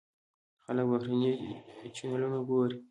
خلک بهرني چینلونه ګوري.